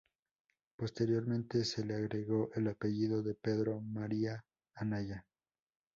Posteriormente se le agregó el apellido de Pedro María Anaya.